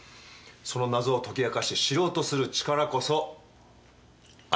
その謎を解き明かし知ろうとする力こそ愛なんです。